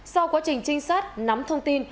sau quá trình trinh sát nắm thông tin